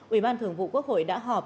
ủy ban thường vụ quốc hội đã họp